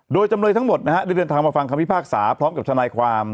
โดยจำเลยทั้งหมดนะฮะได้เดินทางมาฟังคำพิพากษาพร้อมกับทนายความ